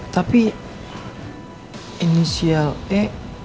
tapi inisial e